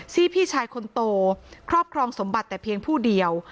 พี่ชายคนโตครอบครองสมบัติแต่เพียงผู้เดียว